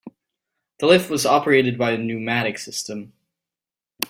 The lift was operated by a pneumatic system.